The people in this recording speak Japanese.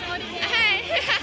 はい。